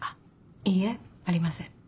いいえありません。